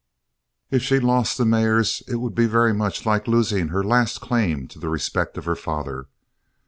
If she lost the mares it would be very much like losing her last claim to the respect of her father.